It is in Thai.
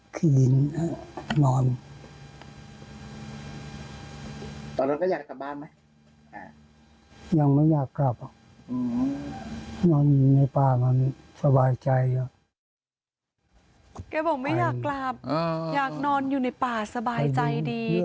แกบอกไม่อยากกลับอยากนอนอยู่ในป่าสบายใจดี